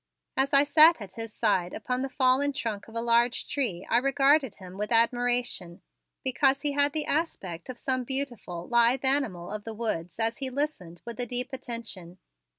As I sat at his side upon the fallen trunk of a large tree I regarded him with admiration, because he had the aspect of some beautiful, lithe animal of the woods as he listened with a deep attention.